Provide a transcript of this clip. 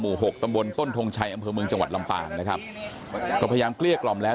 หกตำบลต้นทงชัยอำเภอเมืองจังหวัดลำปางนะครับก็พยายามเกลี้ยกล่อมแล้ว